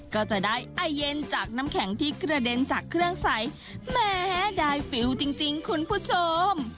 ก็จะได้ไอเย็นจากน้ำแข็งที่กระเด็นจากเครื่องใสแม้ได้ฟิลจริงคุณผู้ชม